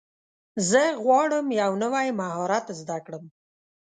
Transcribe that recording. زه غواړم یو نوی مهارت زده کړم.